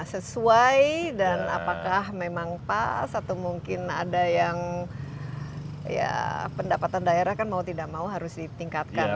sesuai dan apakah memang pas atau mungkin ada yang ya pendapatan daerah kan mau tidak mau harus ditingkatkan